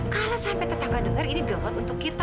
kalau sampai tetangga dengar ini tidak buat untuk kita